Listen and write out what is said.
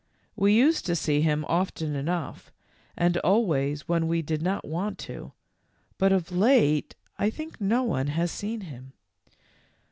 We used to see hirn often enough, and always when we did not want to, but of late I think no one has seen him.